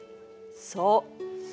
そう。